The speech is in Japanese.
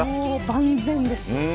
万全です。